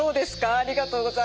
ありがとうございます。